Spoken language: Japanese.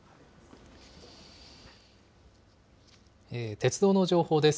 鉄道の情報です。